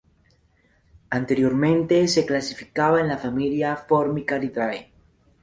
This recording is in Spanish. Anteriormente se clasificaba en la familia Formicariidae.